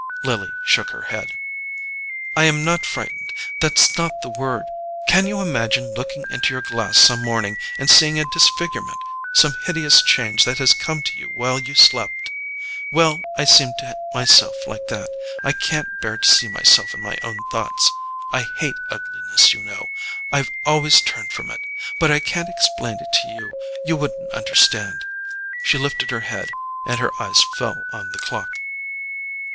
Lily shook her head. "I am not frightened: that's not the word. Can you imagine looking into your glass some morning and seeing a disfigurement—some hideous change that has come to you while you slept? Well, I seem to myself like that—I can't bear to see myself in my own thoughts—I hate ugliness, you know—I've always turned from it—but I can't explain to you—you wouldn't understand." She lifted her head and her eyes fell on the clock.